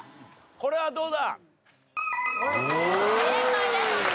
これどうだ？